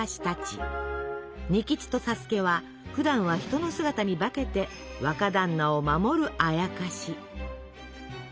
仁吉と佐助はふだんは人の姿に化けて若だんなを守るあやかし。